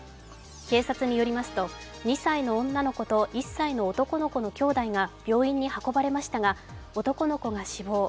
警察によりますと２歳の女の子と１歳の男の子のきょうだいが病院に運ばれましたが、男の子が死亡。